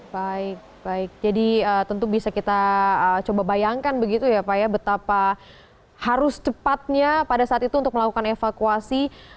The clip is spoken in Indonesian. baik baik jadi tentu bisa kita coba bayangkan begitu ya pak ya betapa harus cepatnya pada saat itu untuk melakukan evakuasi